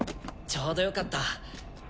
ちょうどよかった。